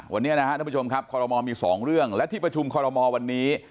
วันนี้นะรับผู้ชมครับคอลโลมอมี๒เรื่องและที่ประชุมคอลโลมอวันนี้